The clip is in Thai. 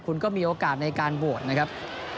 คุณก็มีโอกาสในการโหวตนะครับ